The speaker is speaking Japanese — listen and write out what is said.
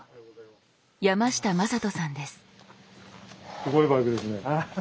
すごいバイクですね。